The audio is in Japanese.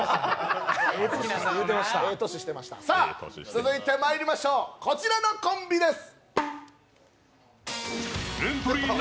続いてまいりましょう、こちらのコンビです。